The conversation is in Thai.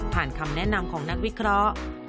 คำแนะนำของนักวิเคราะห์